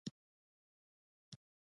عطرونه د شتمنۍ نښه ګڼل کیږي.